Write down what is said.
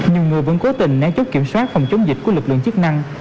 nhiều người vẫn cố tình náy chốt kiểm soát phòng chống dịch của lực lượng chức năng